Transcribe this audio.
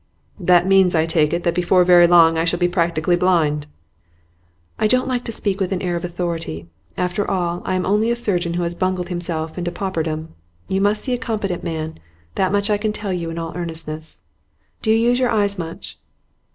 'That means, I take it, that before very long I shall be practically blind?' 'I don't like to speak with an air of authority. After all, I am only a surgeon who has bungled himself into pauperdom. You must see a competent man; that much I can tell you in all earnestness. Do you use your eyes much?